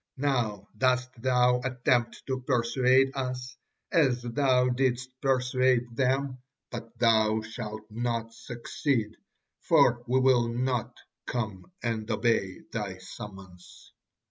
Now dost thou attempt to persuade us as thou didst persuade them, but thou shalt not succeed, for we will not come and obey thy summons."